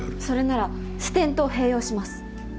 それならステントを併用します。